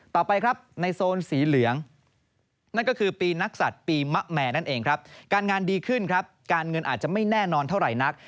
ต่อไปครับในโซนสีเหลืองนั่นก็คือปีนักศัตริย์ปีมะแม่นั่นเองครับการงานดีขึ้นครับการเงินอาจจะไม่แน่นอนเท่าไหร่นัก